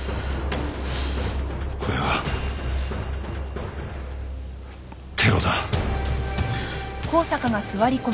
これはテロだ。